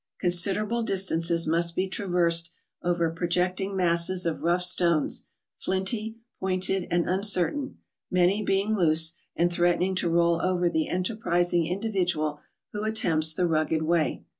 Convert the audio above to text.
Con¬ siderable distances must be traversed over project¬ ing masses of rough stones, flinty, pointed, and un¬ certain, many being loose, and threatening to roll over the enterprising individual who attempts the rugged way.